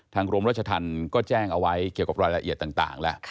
กรมราชธรรมก็แจ้งเอาไว้เกี่ยวกับรายละเอียดต่างแล้ว